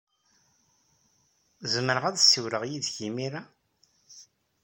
Zemreɣ ad ssiwleɣ yid-k imir-a?